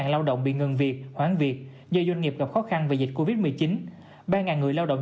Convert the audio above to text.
lao động bị ngừng việc hoãn việc do doanh nghiệp gặp khó khăn vì dịch covid một mươi chín ba người lao động